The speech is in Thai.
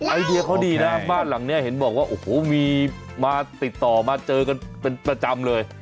ไอเดียเขาดีนะบ้านหลังนี้เห็นบอกว่าโอ้โหมีมาติดต่อมาเจอกันเป็นประจำเลย